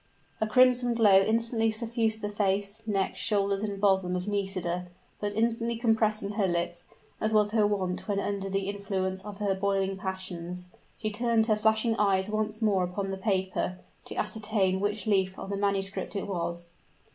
A crimson glow instantly suffused the face, neck, shoulders, and bosom of Nisida; but instantly compressing her lips as was her wont when under the influence of her boiling passions, she turned her flashing eyes once more upon the paper, to ascertain which leaf of the manuscript it was.